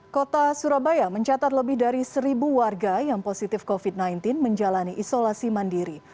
kota surabaya mencatat lebih dari seribu warga yang positif covid sembilan belas menjalani isolasi mandiri